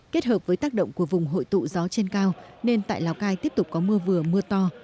kết hợp với tác động của vùng hội tụ gió trên cao nên tại lào cai tiếp tục có mưa vừa mưa to